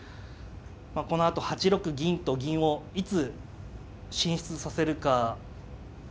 このあと８六銀と銀をいつ進出させるか。